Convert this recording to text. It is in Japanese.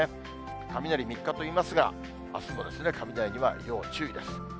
雷三日といいますが、あすも雷には要注意です。